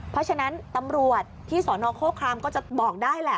เพราะฉะนั้นตำรวจที่สนโครครามก็จะบอกได้แหละ